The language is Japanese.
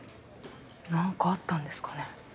何かあったんですかね。